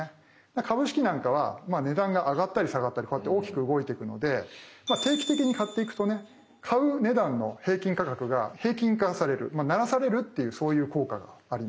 株式なんかは値段が上がったり下がったりこうやって大きく動いていくので定期的に買っていくとね買う値段の平均価格が平均化されるならされるっていうそういう効果があります。